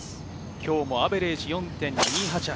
今日もアベレージ４．２８８。